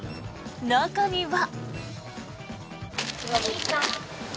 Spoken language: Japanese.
中には。